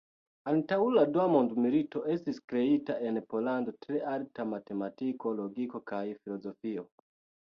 Antaŭ la dua mondmilito estis kreita en Pollando tre alta matematiko, logiko kaj filozofio.